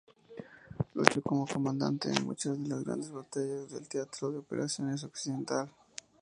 Luchó como comandante en muchas de las grandes batallas del teatro de operaciones occidental.